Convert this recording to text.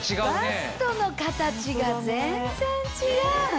バストの形が全然違う！